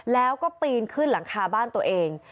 แล้วก็ปีนขึ้นหลังคาบ้านตัวเอง